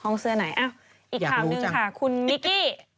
ห้องเสื้อไหนอ้าวอีกคำนึงค่ะคุณนิกกี้